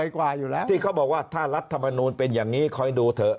ใครบอกว่าท่ารัฐมนูลเป็นอย่างนี้ค่อยดูเถอะ